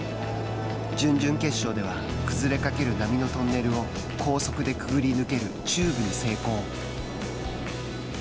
準々決勝では崩れかける波のトンネルを高速でくぐり抜けるチューブに成功。